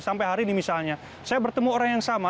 sampai hari ini misalnya saya bertemu orang yang sama